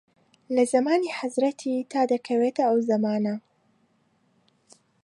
لە زەمانی حەزرەتی تا دەکەوێتە ئەو زەمانە